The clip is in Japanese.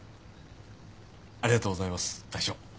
ありがとうございます大将。